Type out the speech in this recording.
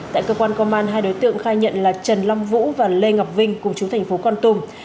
tại cơ quan công an hai đối tượng khai nhận là trần long vũ và lê ngọc vinh cùng chú thành phố con tum